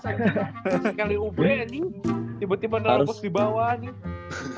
sekali o ber anjing tiba tiba nerobos dibawah nih